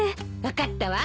分かったわ。